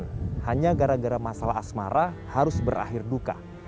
namun kemudiannya gara gara masalah asmara harus berakhir duka